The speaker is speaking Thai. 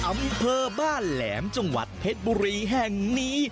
อำเภอบ้านแหลมจังหวัดเพชรบุรีแห่งนี้